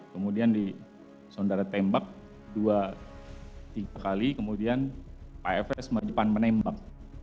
kemudian di saudara tembak dua tiga kali kemudian pak fs menembak